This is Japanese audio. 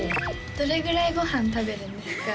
どれぐらいご飯食べるんですか？